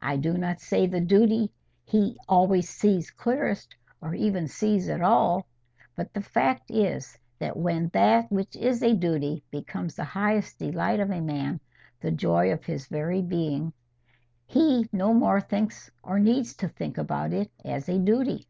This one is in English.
I do not say the duty he always sees clearest, or even sees at all. But the fact is, that when that which is a duty becomes the highest delight of a man, the joy of his very being, he no more thinks or needs to think about it as a duty.